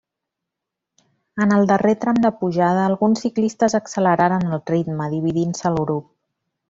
En el darrer tram de pujada alguns ciclistes acceleraren el ritme, dividint-se el grup.